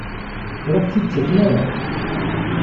Ur aɣ-tt-id-ttaken ara?